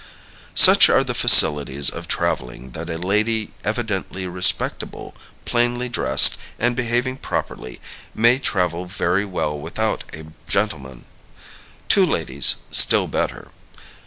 Such are the facilities of traveling that a lady evidently respectable, plainly dressed, and behaving properly, may travel very well without a gentleman. Two ladies still better.